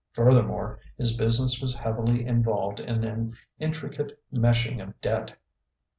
Furthermore, his business was heavily involved in an intricate meshing of debt.